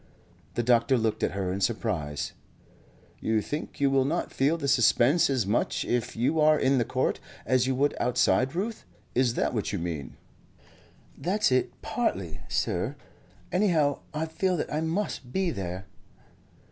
The doctor looked at her in surprise. "You think you will not feel the suspense as much if you are in the court as you would outside Ruth? Is that what you mean?" "That's it, partly, sir. Anyhow, I feel that I must be there."